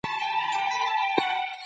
د وطن په ابادۍ کې ځان شریک کړئ.